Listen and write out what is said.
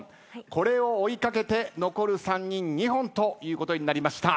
これを追い掛けて残る３人２本ということになりました。